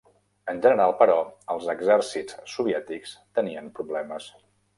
En general, però, els exèrcits soviètics tenien problemes.